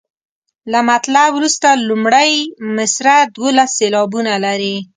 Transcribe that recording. له مطلع وروسته لومړۍ مصرع دولس سېلابونه لري.